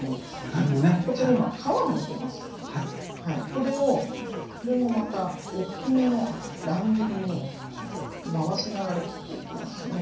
これをこれもまたおっきめの乱切りに回しながら切っていきますね。